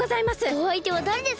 おあいてはだれですか？